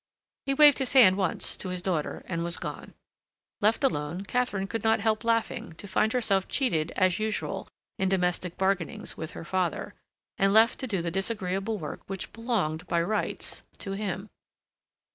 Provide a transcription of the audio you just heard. He waved his hand once to his daughter, and was gone. Left alone, Katharine could not help laughing to find herself cheated as usual in domestic bargainings with her father, and left to do the disagreeable work which belonged, by rights, to him.